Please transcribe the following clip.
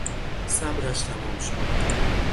صبرش تمام شد.